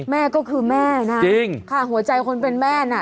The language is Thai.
แม่ก็คือแม่ค่ะหัวใจคนเป็นแม่นะ